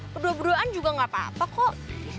berdua duaan juga gak apa apa kok